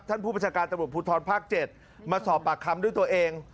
ผู้บัญชาการตำรวจภูทรภาค๗มาสอบปากคำด้วยตัวเอง